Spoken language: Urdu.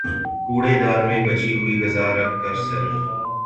کوڑے دان میں بچی ہوئی غذا رکھ کر صرف